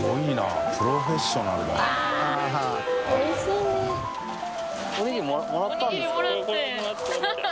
おいしいね。